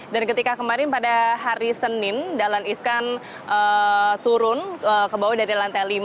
dan ketika kemarin pada hari senin dalan iskan turun ke bawah dari lantai lima